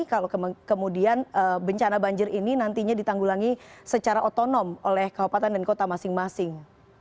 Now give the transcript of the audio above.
kalau kemudian bencana banjir ini nantinya ditanggulangi secara otonom oleh kabupaten dan kota masing masing